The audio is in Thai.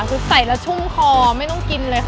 คือใส่แล้วชุ่มคอไม่ต้องกินเลยค่ะ